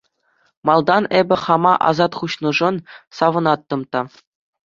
Малтан эпӗ хама асат хуҫнӑшан савӑнаттӑм та.